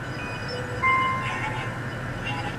د ځوانيمرگ نقيب د هر غزل په سترگو کې يم